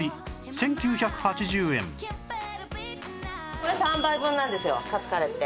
これ３杯分なんですよカツカレーって。